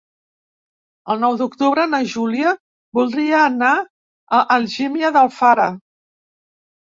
El nou d'octubre na Júlia voldria anar a Algímia d'Alfara.